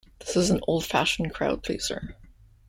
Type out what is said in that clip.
This is an old-fashioned crowd-pleaser.